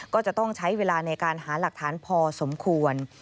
ก็จะต้องใช้เวลาในการหาหลักฐานพอสมควร